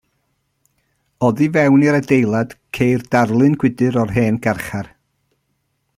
Oddi fewn i'r adeilad ceir darlun gwydr o'r hen garchar.